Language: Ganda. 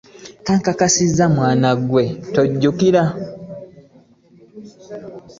Nkakasizza mwana ggwe tojjukira.